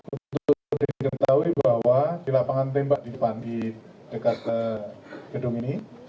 untuk diketahui bahwa di lapangan tembak di depan di dekat gedung ini